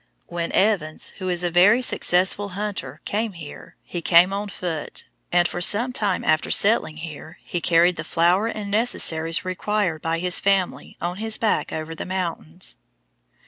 When Evans, who is a very successful hunter, came here, he came on foot, and for some time after settling here he carried the flour and necessaries required by his family on his back over the mountains.